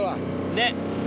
ねっ。